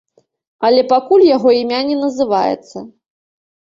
Але пакуль яго імя не называецца.